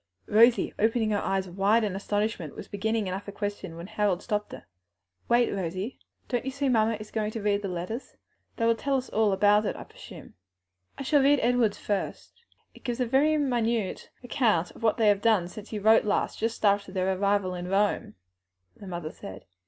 Rosie, opening her eyes wide in astonishment, was beginning another question when Harold stopped her. "Wait, Rosie, don't you see mamma is going to read the letters? They will tell us all about it, I presume." "I shall read Edward's first, it gives a very minute account of what they have done since he wrote us last, just after their arrival in Rome," the mother said.